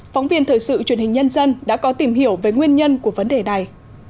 phóng viên thời sự truyền hình nhân dân đã có tìm hiểu về nguyên nhân của vấn đề này